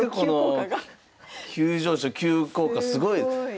急上昇・急降下すごい。